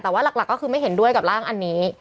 แต่ว่าหลักก็คือไม่เห็นด้วยกับร่างอันนี้